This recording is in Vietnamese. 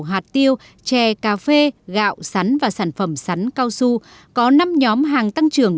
hạt tiêu chè cà phê gạo sắn và sản phẩm sắn cao su có năm nhóm hàng tăng trưởng